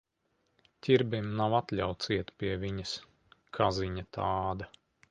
Ķirbim nav atļauts iet pie viņas. Kaziņa tāda.